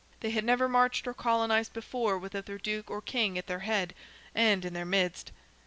They had never marched or colonized before without their Duke or King at their head, and in their midst.